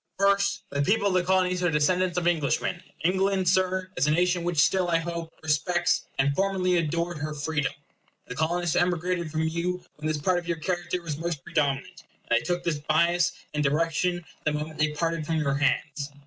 First, the people of the Colonies are descendants of Englishmen. England, Sir, is a nation which still, I hope, respects, and formerly adored, her freedom. The Colonists emigrated from you when this part of your character was most predominant; and they took this bias and direction the moment they parted from your hands.